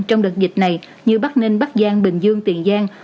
trong đợt dịch này như bắc ninh bắc giang bình dương tiền giang